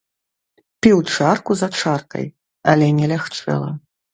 Піў чарку за чаркай, але не лягчэла.